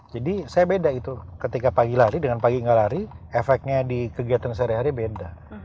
jadi saya beda gitu ketika pagi lari dengan pagi nggak lari efeknya di kegiatan sehari hari beda